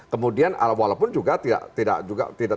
kemudian walaupun juga tidak